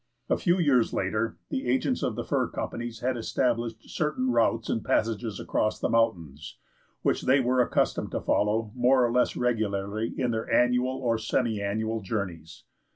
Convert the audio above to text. A few years later, the agents of the fur companies had established certain routes and passages across the mountains, which they were accustomed to follow more or less regularly in their annual or semi annual journeys.